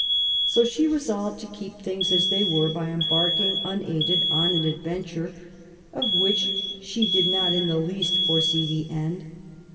So she resolved to keep things as they were by embarking unaided on an adventure of which she did not in the least foresee the end.